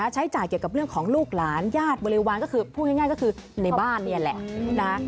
ใช้จ่ายเกี่ยวกับเรื่องของลูกหลานญาติบริวารก็คือพูดง่ายก็คือในบ้านนี่แหละนะ